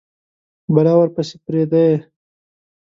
بلا ورپسي پریده یﺉ